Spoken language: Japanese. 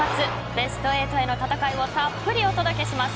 ベスト８への戦いをたっぷりお届けします。